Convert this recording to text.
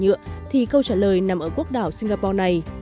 nếu chúng ta không có sắc thải nhựa thì câu trả lời nằm ở quốc đảo singapore này